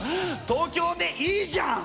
東京でいいじゃん！